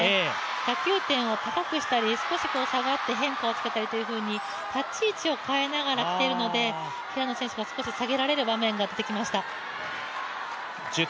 打球点を高くしたり、少し下がって変化をつけたりという立ち位置を変えながらきているので、平野選手、少し下げられる場面が出てきました。